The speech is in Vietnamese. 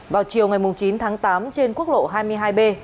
vào chiều ngày chín tháng tám trên quốc lộ hai mươi hai b